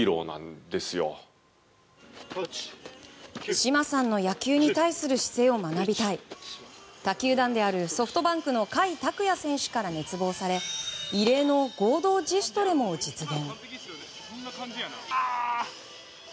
嶋さんの野球に対する姿勢を学びたい他球団であるソフトバンクの甲斐拓也選手から熱望され異例の合同自主トレも実現。